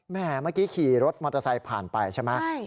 เมื่อกี้ขี่รถมอเตอร์ไซค์ผ่านไปใช่ไหม